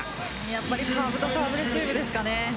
やっぱりサーブとサーブレシーブですかね。